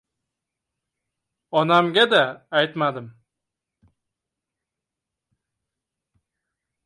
Onamga-da aytmadim.